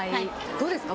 どうですか。